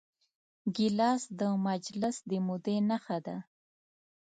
ګیلاس د مجلس د مودې نښه ده.